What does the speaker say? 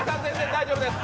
大丈夫です。